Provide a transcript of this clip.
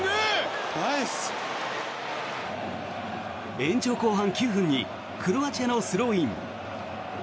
延長後半９分にクロアチアのスローイン。